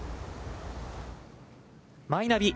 マイナビ